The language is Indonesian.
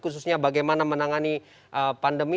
khususnya bagaimana menangani pandemi